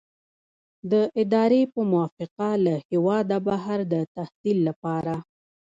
د ادارې په موافقه له هیواده بهر د تحصیل لپاره.